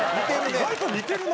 意外と似てるな。